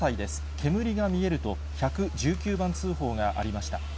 煙が見えると、１１９番通報がありました。